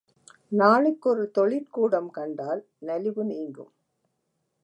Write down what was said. நாளுக்கொரு தொழிற்கூடம் கண்டால் நலிவு நீங்கும்.